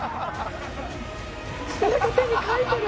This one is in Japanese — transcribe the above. なんか手に書いてる。